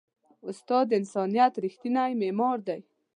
استاد د انسانیت ریښتینی معمار دی.